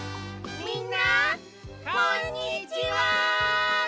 みんなこんにちは！